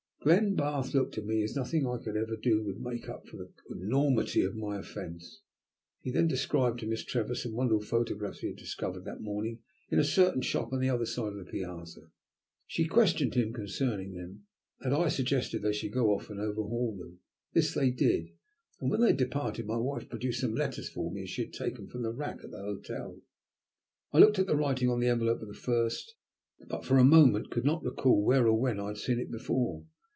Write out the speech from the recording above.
Glenbarth looked at me as if nothing I could ever do would make up for the enormity of my offence. He then described to Miss Trevor some wonderful photographs he had discovered that morning in a certain shop on the other side of the piazza. She questioned him concerning them, and I suggested that they should go off and overhaul them. This they did, and when they had departed my wife produced some letters for me she had taken from the rack at the hotel. I looked at the writing upon the envelope of the first, but for a moment could not recall where or when I had seen it before.